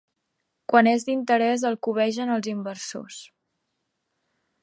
Quan és d'interès el cobegen els inversors.